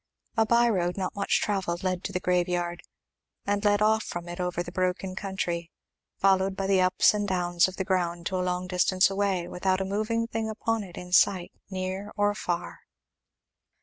A by road not much travelled led to the grave yard, and led off from it over the broken country, following the ups and downs of the ground to a long distance away, without a moving thing upon it in sight near or far.